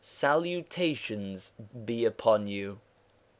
Salutations be upon you.